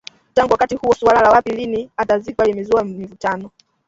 Tangu wakati huo suala la wapi na lini atazikwa limezua mivutano